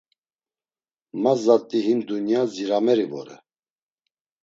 Ma zat̆i him dunya dzirameri vore.